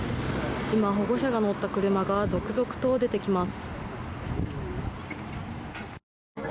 今、保護者が乗った車が続々と出てきます。